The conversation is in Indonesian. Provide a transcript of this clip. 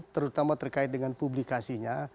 terutama terkait dengan publikasinya